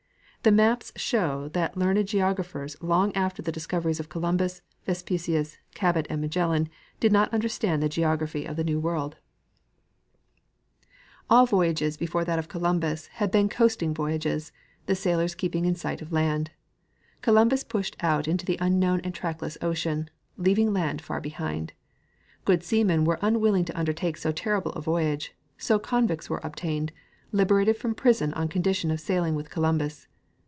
The maps show that learned geographers long after the discoveries of Columbus, Vespucius, Cabot and Magel lan did not understand the geography of the new world. 20 Gardiner G. Hubbard — Discoverers of America. All voyages before that of Columbus had been coastmg voy ages, the sailors keeping in sight of land. Columbus pushed out into the unknown and trackless ocean, leaving the land far behind. Good seamen were unwilling to undertake so terrible a voyage, so convicts were obtained, liberated from prison on condition of sailing with Columbus.